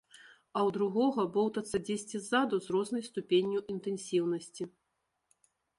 А ў другога боўтацца дзесьці ззаду з рознай ступенню інтэнсіўнасці.